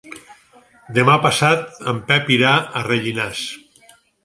Demà passat en Pep irà a Rellinars.